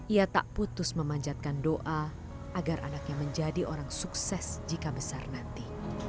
ia tak putus memanjatkan doa agar anaknya menjadi orang sukses jika besar nanti